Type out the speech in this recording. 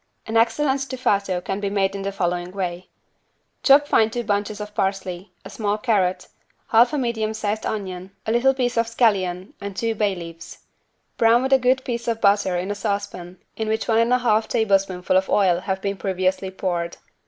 An excellent =stufato= can be made in the following way: Chop fine two bunches of parsley, a small carrot, half a medium sized onion, a little piece of scallion and two bay leaves. Brown with a good piece of butter in a saucepan in which one and a half tablespoonful of oil have been previously poured.